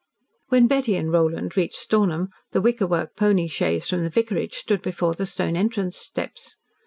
..... When Betty and Roland reached Stornham, the wicker work pony chaise from the vicarage stood before the stone entrance steps.